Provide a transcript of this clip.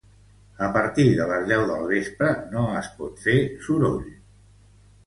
A partir de les deu del vespre no es pot fer soroll